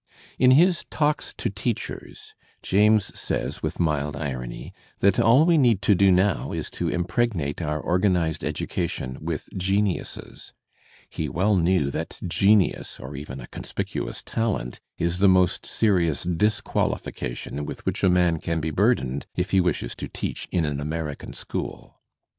In his "Talks to Teachers" James says with mild irony that all we need to do now is to impregnate our organized education with geniuses; he well knew that genius or even a conspicuous talent is the most serious disqualification with which a man can be burdened if he wishes to teach in an American school.